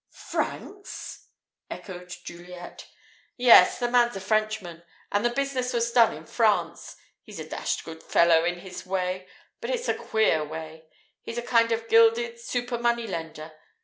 "Francs?" echoed Juliet. "Yes. The man's a Frenchman. And the business was done in France. He's a dashed good fellow in his way. But it's a queer way. He's a kind of gilded, super money lender.